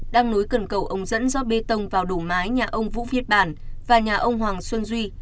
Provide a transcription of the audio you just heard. đang nối cần cầu ông dẫn dót bê tông vào đổ mái nhà ông vũ viết bản và nhà ông hoàng xuân duy